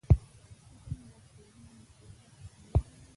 که څه هم دا کورونه د اوبو څخه لرې وي